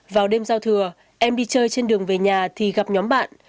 vào đêm giao thừa em đi chơi trên đường về nhà thì gặp nhóm bạn